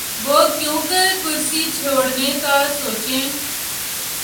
وہ کیونکر کرسی چھوڑنے کا سوچیں؟